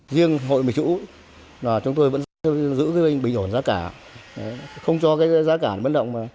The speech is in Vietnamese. riêng hội mì chủ chúng tôi vẫn giữ bình ổn giá cả không cho giá cả bất động